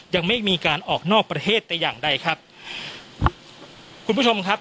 ยังไม่มีการออกนอกประเทศแต่อย่างใดครับคุณผู้ชมครับ